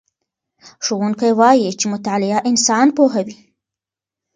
ښوونکی وایي چې مطالعه انسان پوهوي.